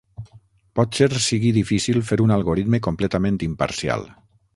Potser sigui difícil fer un algoritme completament imparcial.